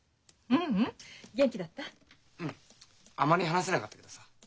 うんあまり話せなかったけどさ。